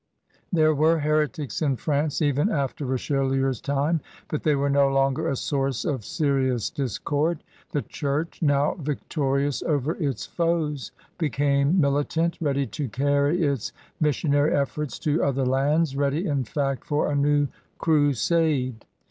There were heretics in France even after Richelieu's time, but they were no longer a source of serious discord. The Chiuxdb, now victorious over its foes, became militant, ready to carry its missionary efforts to other lands — ready, in fact, for a new crusade.